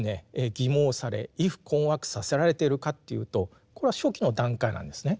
欺罔され畏怖困惑させられているかというとこれは初期の段階なんですね。